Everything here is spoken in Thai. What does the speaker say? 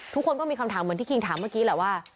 ก็มีคำถามเหมือนที่คิงถามเมื่อกี้แหละว่า